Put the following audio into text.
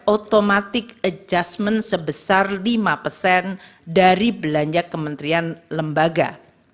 automatic adjustment sebesar lima persen dari belanja kementerian lembaga